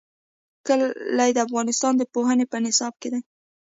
کلي د افغانستان د پوهنې په نصاب کې دي.